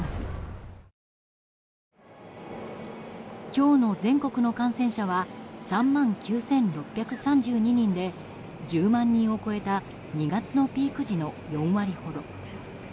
今日の全国の感染者は３万９６３２人で１０万人を超えた２月のピーク時の４割ほど。